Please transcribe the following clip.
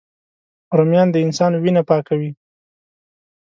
رومیان د انسان وینه پاکوي